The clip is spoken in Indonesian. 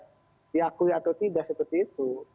diakui atau tidak seperti itu